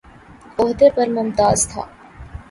عہدہ پر ممتاز تھے